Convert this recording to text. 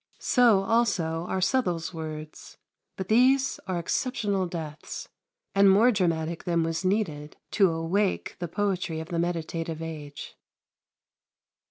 So also are Southwell's words. But these are exceptional deaths, and more dramatic than was needed to awake the poetry of the meditative age.